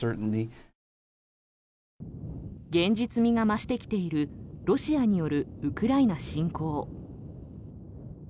現実味が増してきているロシアによるウクライナ侵攻。